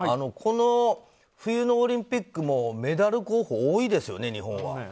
この冬のオリンピックもメダル候補多いですよね、日本は。